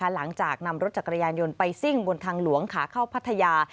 หลังจากนำรถจักรยานยนต์ไปซิ่งบนทางหลวงขาเข้าพัทยา